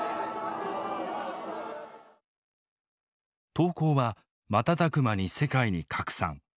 投稿は瞬く間に世界に拡散。